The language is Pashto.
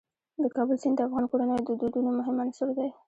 د کابل سیند د افغان کورنیو د دودونو مهم عنصر دی.